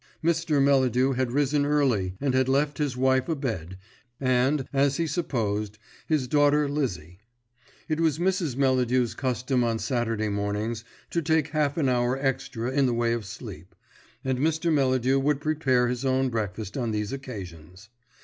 Mr. Melladew had risen early and had left his wife abed, and, as he supposed, his daughter Lizzie. It was Mrs. Melladew's custom on Saturday mornings to take half an hour extra in the way of sleep, and Mr. Melladew would prepare his own breakfast on these occasions.